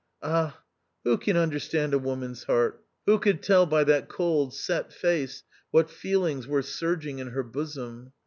Ah ! who can understand a woman's heart ? Who could tell by that cold set face what feelings were surging in her bosom